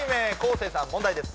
生さん問題です